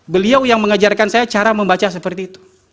beliau yang mengajarkan saya cara membaca seperti itu